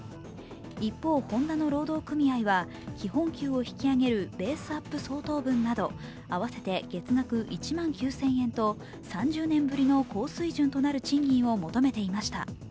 一方、ホンダの労働組合は基本給を引き上げるベースアップ相当分など合わせて月額１万９０００円と３０年ぶりの高水準となる賃金を求めていました。